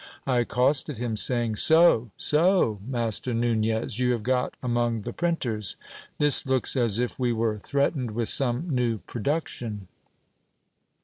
I accosted him, saying : So ! so ! Master Nunez, you have got among the printers : this looks as if we were threatened with some new production.